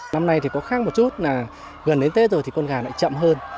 năm nay thì có khác một chút là gần đến tết rồi thì con gà lại chậm hơn